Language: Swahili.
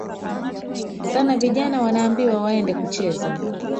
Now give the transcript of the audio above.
sana vijana wanaambiwa waende kucheza